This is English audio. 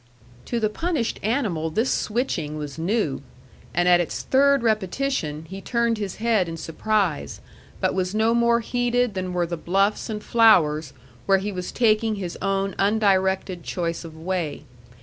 To the punished animal this switching was new! and at its third repetition he turned his head in surprise, but was no more heeded than were the bluffs and flowers where he was taking his own undirected choice of way.